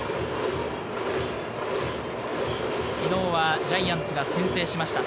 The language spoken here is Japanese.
昨日はジャイアンツが先制しました。